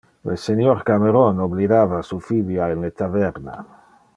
Le senior Cameron oblidava su filia in le taverna.